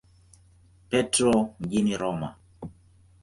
Petro mjini Roma.